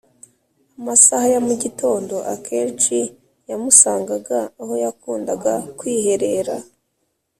Amasaha ya mugitondo akenshi yamusangaga aho yakundaga kwiherera